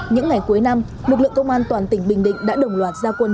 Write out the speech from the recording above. những ngày cuối năm lực lượng công an toàn tỉnh bình định đã đồng loạt gia quân